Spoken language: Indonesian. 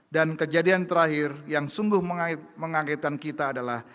dan kejadian terakhir yang sungguh mengagetkan kita adalah